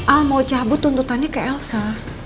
al mau cabut tuntutannya ke elsa